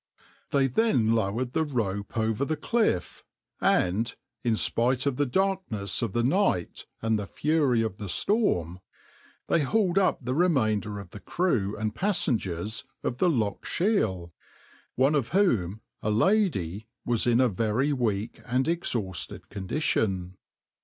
They then lowered the rope over the cliff, and, in spite of the darkness of the night and the fury of the storm, they hauled up the remainder of the crew and passengers of the {\itshape{Loch Shiel}}, one of whom, a lady, was in a very weak and exhausted condition.